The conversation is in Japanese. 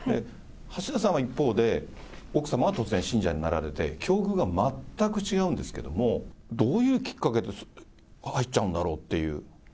橋田さんは一方で、奥様が突然信者になられて、境遇が全く違うんですけども、どういうきっかけで入っちゃうんだろうっていう。